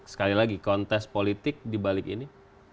sekali lagi kontes politik di balik ini